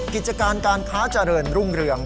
กิจการการค้าเจริญรุ่งเรือง